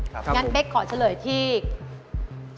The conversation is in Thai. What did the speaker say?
ครับผมงั้นเบ๊กขอเฉลยที่ครับผม